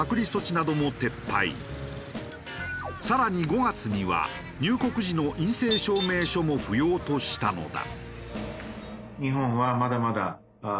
更に５月には入国時の陰性証明書も不要としたのだ。